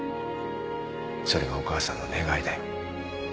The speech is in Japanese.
それがお母さんの願いだよ。